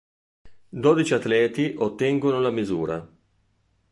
Dodici atleti ottengono la misura.